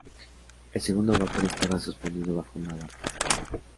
El segundo, "Baker", estaba suspendido bajo una barcaza.